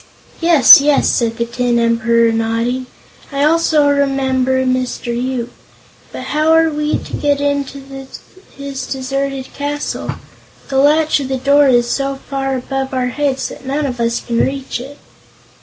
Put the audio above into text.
"Yes, yes," said the Tin Emperor, nodding; "I also remember Mr. Yoop. But how are we to get into his deserted castle? The latch of the door is so far above our heads that none of us can reach it."